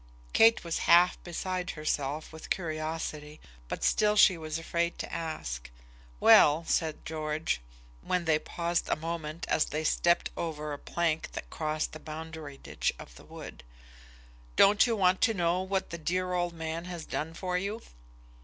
Kate was half beside herself with curiosity, but still she was afraid to ask. "Well," said George, when they paused a moment as they stepped over a plank that crossed the boundary ditch of the wood: "don't you want to know what that dear old man has done for you?"